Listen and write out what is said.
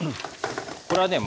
これはね